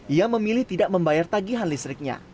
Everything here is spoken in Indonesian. ia memilih tidak membayar tagihan listriknya